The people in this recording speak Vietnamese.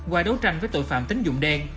qua đấu tranh với tội phạm tính dụng đen